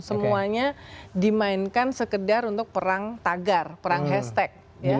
semuanya dimainkan sekedar untuk perang tagar perang hashtag